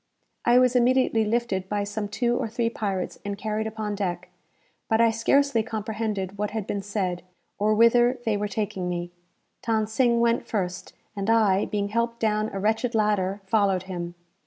I was immediately lifted by some two or three pirates and carried upon deck; but I scarcely comprehended what had been said, or whither they were taking me. Than Sing went first; and I, being helped down a wretched ladder, followed him.